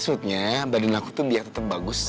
iya maksudnya badan aku tuh biar tetep bagus